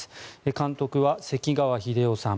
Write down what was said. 監督は、関川秀雄さん。